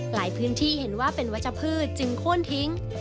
พื้นที่เห็นว่าเป็นวัชพืชจึงโค้นทิ้ง